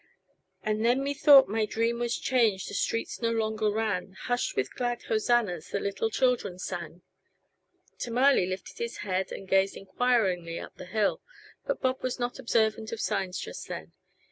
"And then me thought my dream was changed, The streets no longer rang, Hushed were the glad Hosannas The little children sang " Tamale lifted his head and gazed inquiringly up the hill; but Bob was not observant of signs just then.